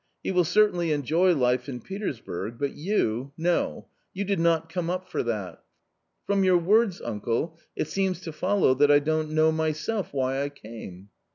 He will certainly enjoy life in Petersburg, but you — no ! you did not come up for that." " From your words, uncle, it seems to follow that I don't know myself why I came."